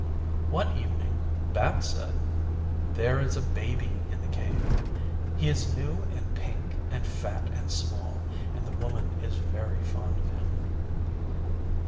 One evening Bat said, 'There is a Baby in the Cave. He is new and pink and fat and small, and the Woman is very fond of him.